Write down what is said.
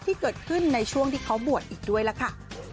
ที่เกิดขึ้นในช่วงที่เขาบวชอีกด้วยล่ะค่ะ